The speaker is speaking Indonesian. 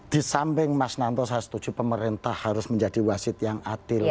di samping mas nanto saya setuju pemerintah harus menjadi wasit yang adil